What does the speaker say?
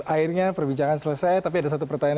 akhirnya perbincangan selesai tapi ada satu pertanyaan